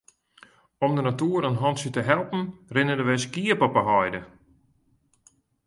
Om de natoer in hantsje te helpen rinne der wer skiep op de heide.